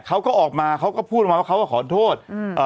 เขาก็ออกมาเขาก็พูดมาว่าเขาก็ขอโทษ